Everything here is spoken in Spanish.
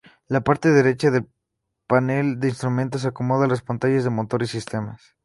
La parte derecha del panel de instrumentos acomoda las pantallas de motor y sistemas.